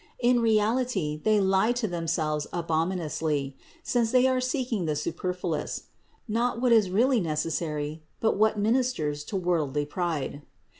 In reality they lie to themselves abominously, since they are seeking the superfluous ; not what is really necessary, but what min isters to worldly pride.